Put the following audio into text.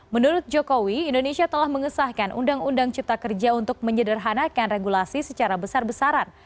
menurut jokowi indonesia telah mengesahkan undang undang cipta kerja untuk menyederhanakan regulasi secara besar besaran